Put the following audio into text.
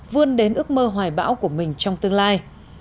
vươn đến ước mơ hoài bão của mình trong tương lai